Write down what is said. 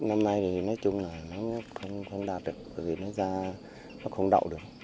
năm nay thì nói chung là nó không đạt được vì nó ra nó không đậu được